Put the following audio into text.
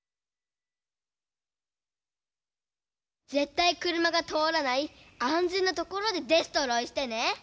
ぜったいくるまがとおらないあんぜんなところでデストロイしてね。